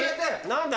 何だ？